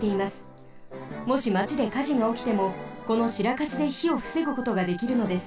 もしまちでかじがおきてもこのシラカシでひをふせぐことができるのです。